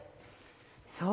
そう。